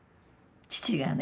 父がね